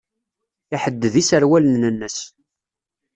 Iḥedded iserwalen-nnes.